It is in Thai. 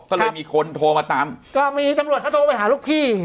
ก็เลยมีคนโทรมาตามก็มีตำรวจเขาโทรไปหาลูกพี่